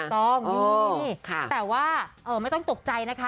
ถูกต้องนี่แต่ว่าไม่ต้องตกใจนะคะ